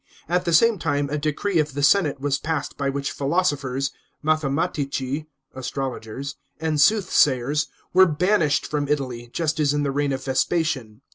At the same time a decree of the senate was passed by which philosophers, mathematics (astrologers) and soothsayers, were banished from Italy, just as in the reign of Vespasian.